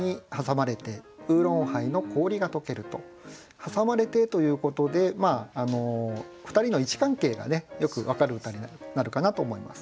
「はさまれて」ということで２人の位置関係がねよく分かる歌になるかなと思います。